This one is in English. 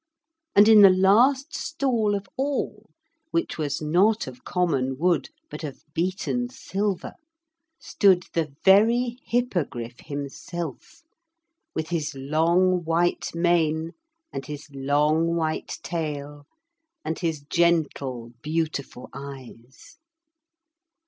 And in the last stall of all, which was not of common wood but of beaten silver, stood the very Hippogriff himself, with his long, white mane and his long, white tail, and his gentle, beautiful eyes.